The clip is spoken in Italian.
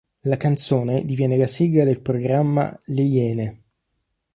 La canzone diviene la sigla del programma "Le Iene".